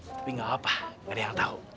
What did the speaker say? tapi gak apa apa gak ada yang tau